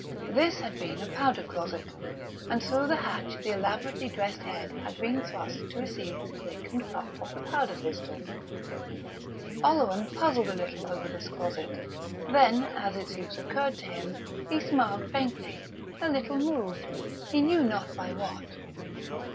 This had been a powder closet, and through the hatch the elaborately dressed head had been thrust to receive the click and puff of the powder pistol. Oleron puzzled a little over this closet; then, as its use occurred to him, he smiled faintly, a little moved, he knew not by what....